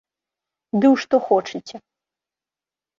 Ды ў што хочаце.